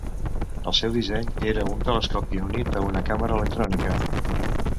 El seu disseny era un telescopi unit a una càmera electrònica.